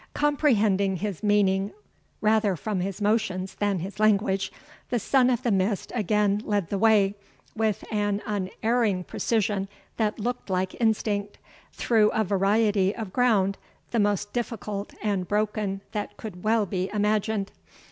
Comprehending his meaning rather from his motions than his language, the Son of the Mist again led the way, with an unerring precision that looked like instinct, through a variety of ground the most difficult and broken that could well be imagined.